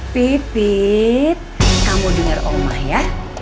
pipit kamu denger oma ya